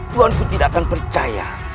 tuhan pun tidak akan percaya